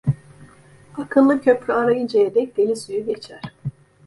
Akıllı köprü arayıncaya dek deli suyu geçer.